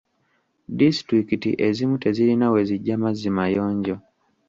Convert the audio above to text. Disitulikiti ezimu tezirina we zijja mazzi mayonjo.